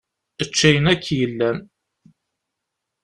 Ečč ayen akk yellan.